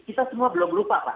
kita semua belum lupa lah